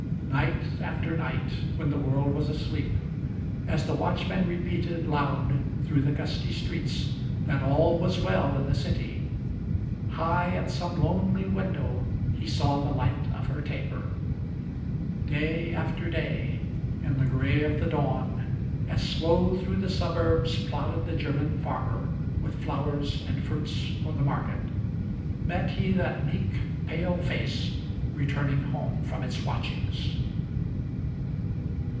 Night after night, when the world was asleep, as the watchman repeated Loud, through the gusty streets, that all was well in the city, High at some lonely window he saw the light of her taper. Day after day, in the gray of the dawn, as slow through the suburbs Plodded the German farmer, with flowers and fruits for the market, Met he that meek, pale face, returning home from its watchings.